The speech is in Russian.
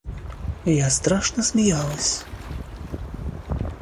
Я страшно смеялась.